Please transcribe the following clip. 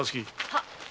はっ。